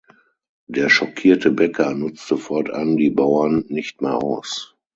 Der schockierte Bäcker nutzte fortan die Bauern nicht mehr aus.